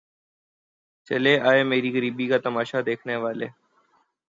چل اے میری غریبی کا تماشا دیکھنے والے